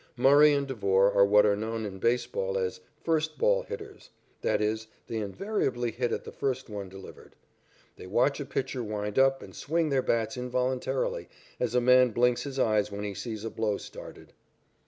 Murray and Devore are what are known in baseball as "first ball hitters." That is, they invariably hit at the first one delivered. They watch a pitcher wind up and swing their bats involuntarily, as a man blinks his eyes when he sees a blow started.